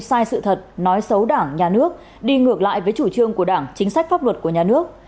sai sự thật nói xấu đảng nhà nước đi ngược lại với chủ trương của đảng chính sách pháp luật của nhà nước